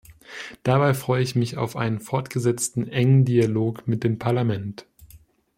Dabei freue ich mich auf einen fortgesetzten engen Dialog mit dem Parlament.